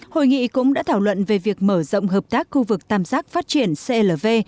hội nghị cũng đã thảo luận về việc mở rộng hợp tác khu vực tạm giác phát triển clv